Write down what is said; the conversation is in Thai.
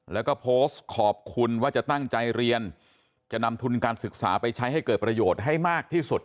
แล้วก็โพสต์ขอบคุณว่าจะตั้งใจเรียนจะนำทุนการศึกษาไปใช้ให้เกิดประโยชน์ให้มากที่สุด